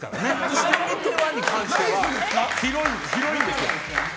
「してみては？」に関しては広いんですよ。